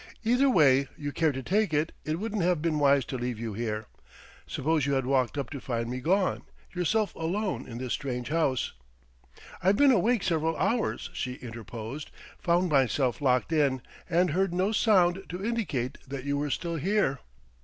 Either way you care to take it, it wouldn't have been wise to leave you here. Suppose you had waked up to find me gone, yourself alone in this strange house " "I've been awake several hours," she interposed "found myself locked in, and heard no sound to indicate that you were still here."